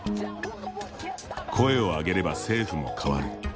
声を上げれば政府も変わる。